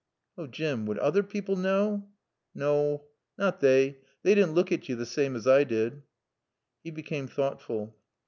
"Oh Jim would other people know?" "Naw. Nat they. They didn't look at yo the saame as I did." He became thoughtful.